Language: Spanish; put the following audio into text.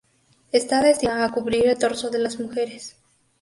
Está destinada a cubrir el torso de las mujeres.